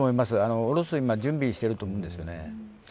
降ろす準備を今してると思うんです。